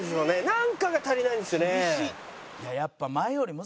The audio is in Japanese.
なんかが足りないんですよね。